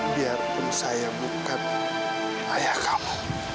biarpun saya bukan ayah kamu